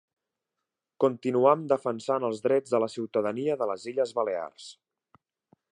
Continuam defensant els drets de la ciutadania de les Illes Balears.